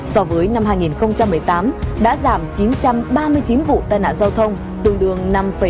so với năm hai nghìn một mươi tám đã giảm chín trăm ba mươi chín vụ tai nạn giao thông tương đương năm bảy